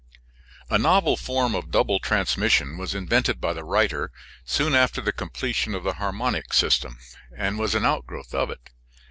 A novel form of double transmission was invented by the writer soon after the completion of the harmonic system, and was an outgrowth of it.